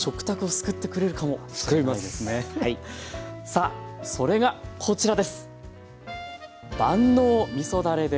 さあそれがこちらです！